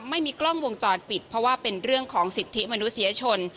ไม่มีกล้องวงจรปิดเพราะว่าเป็นเรื่องของสิทธิมนุษยชน